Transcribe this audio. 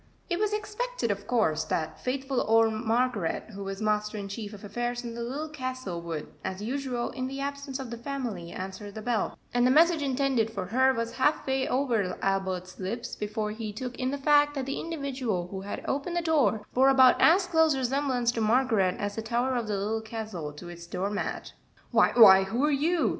It was expected, of course, that faithful old Margaret, who was master in chief of affairs in the Little Castle, would, as usual, in the absence of the family, answer the bell, and the message intended for her was half way over Albert's lips before he took in the fact that the individual who had opened the door bore about as close resemblance to Margaret as the tower of the Little Castle to its door mat. "Why why, who are you?"